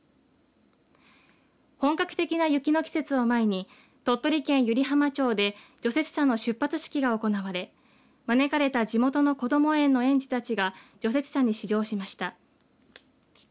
本格的な雪の季節を前に鳥取県湯梨浜町で除雪車の出発式が行われ招かれた地元のこども園の園児たちが除雪車に試乗しました。